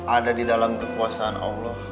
ada di dalam kekuasaan allah